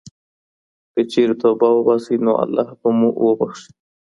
که چېرې توبه وباسئ، نو الله به مو وبښي.